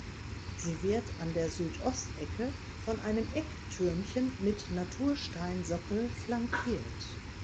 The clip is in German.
Sie wird an der Südostecke von einem Ecktürmchen mit Natursteinsockel flankiert.